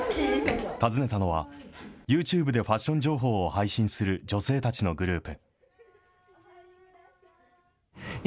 訪ねたのは、ユーチューブでファッション情報を配信する女性たちのグループ。